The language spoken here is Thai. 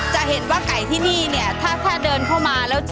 จะเห็นว่าไก่ที่นี่เนี่ยถ้าเดินเข้ามาแล้ว